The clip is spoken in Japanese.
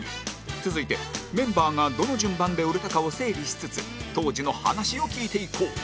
続いてメンバーがどの順番で売れたかを整理しつつ当時の話を聞いていこう